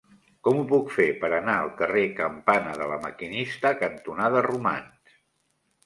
Com ho puc fer per anar al carrer Campana de La Maquinista cantonada Romans?